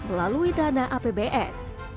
melalui dana apbn